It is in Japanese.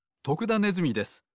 徳田ネズミです。